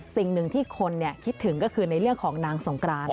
สิ่งหนึ่งที่คนคิดถึงก็คือในเรื่องของนางสงกราน